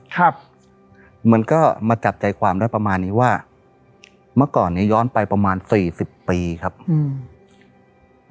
ครับมันก็มาจับใจความได้ประมาณนี้ว่าเมื่อก่อนเนี้ยย้อนไปประมาณสี่สิบปีครับอืม